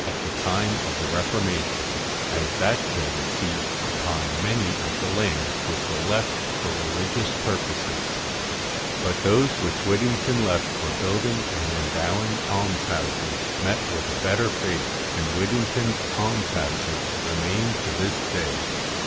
at the time of the Reformation, as that king seized upon many of the lands which were left for religious purposes ; but those which Whittington left for building and endowing almshouses met with a better fate ; and Whittington's almshouses remain to this day.